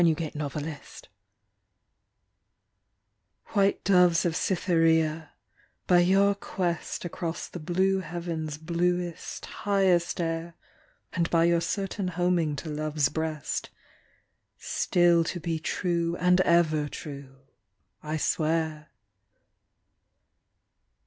61 THE PLEDGE White doves of Cytherea, by your quest Across the blue Heaven s bluest highest air, And by your certain homing to Love s breast, Still to be true and ever true I swear.